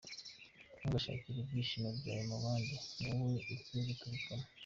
Ntugashakire ibyishimo byawe mu bandi, ni wowe bikwiye guturukamo.